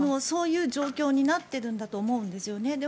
そういう状況になっているんだと思うんですよね。